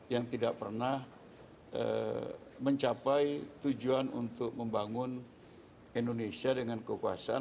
yang tidak pernah mencapai tujuan untuk membangun indonesia dengan kekuasaan